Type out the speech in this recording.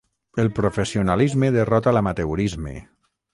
El professionalisme derrota l'amateurisme.